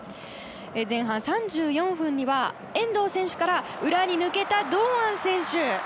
前半３４分には遠藤選手から裏に抜けた堂安選手。